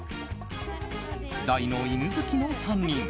大の犬好きの３人。